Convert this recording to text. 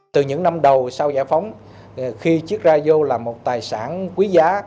từ những năm đầu sau giải phóng khi chiếc rai dô là một tài sản quý giá